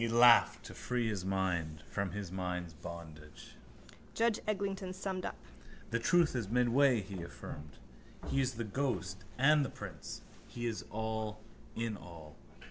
He laughed to free his mind from his mind's bondage. Judge Eglinton summed up. —The truth is midway, he affirmed. He is the ghost and the prince. He is all in all.